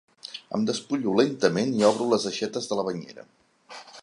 Em despullo lentament i obro les aixetes de la banyera.